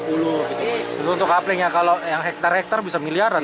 untuk kaplingnya kalau hektar hektar bisa miliaran